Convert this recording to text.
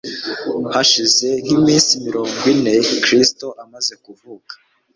Hashize nk'iminsi mirongo ine Kristo amaze kuvuka,